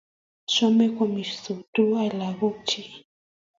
chomei koamisot tuwai lagoik chu